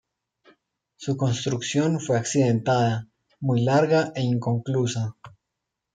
Su construcción fue accidentada, muy larga e inconclusa.